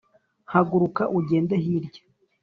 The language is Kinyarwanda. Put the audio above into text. haguruka ugende hariya